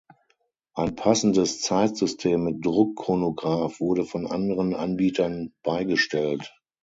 Ein passendes Zeitsystem mit Druck-Chronograf wurde von anderen Anbietern beigestellt.